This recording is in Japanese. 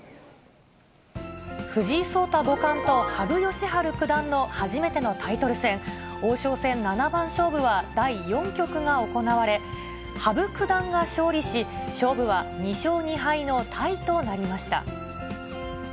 藤井聡太五冠と羽生善治九段の初めてのタイトル戦、王将戦七番勝負は、第４局が行われ、羽生九段が勝利し、勝負は２勝２敗のタイとなりました。